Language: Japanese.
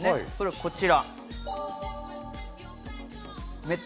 こちら。